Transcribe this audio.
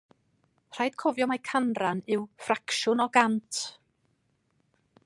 Rhaid cofio mai canran yw ffracsiwn o gant